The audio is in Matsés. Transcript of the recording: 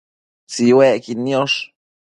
Tsiuecquid niosh